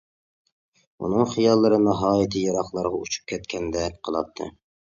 ئۇنىڭ خىياللىرى ناھايىتى يىراقلارغا ئۇچۇپ كەتكەندەك قىلاتتى.